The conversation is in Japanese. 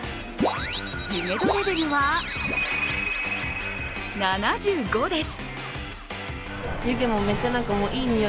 湯気度レベルは、７５です。